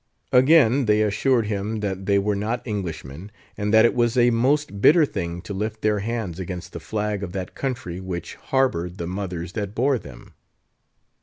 Again they assured him that they were not Englishmen, and that it was a most bitter thing to lift their hands against the flag of that country which harboured the mothers that bore them.